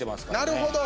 なるほど！